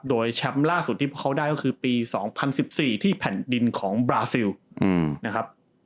โดยแชมป์ล่าสุดที่เขาได้ก็คือปี๒๐๑๔ที่แผ่นดินของบราซิลนะครับ